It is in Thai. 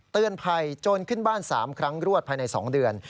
เตือนภัยโจรขึ้นบ้าน๓ครั้งรวดภายใน๒เดือน